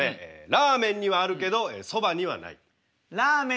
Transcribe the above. ラーメンにはあるけどそばにはない。